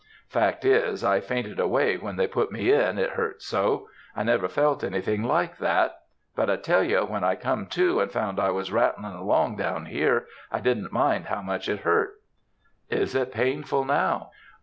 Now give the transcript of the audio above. Fact is, I fainted away when they put me in, it hurt so. I never felt anything like that. But I tell you, when I come to, and found I was rattlin' along down here, I didn't mind how much it hurt." "Is it painful now?"